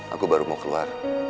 aku baru mau keluar